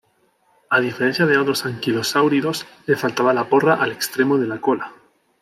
A diferencia de otros anquilosáuridos, le faltaba la porra al extremo de la cola.